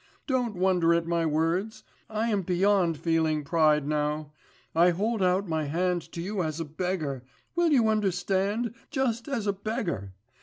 Don't wonder at my words.... I am beyond feeling pride now! I hold out my hand to you as a beggar, will you understand, just as a beggar....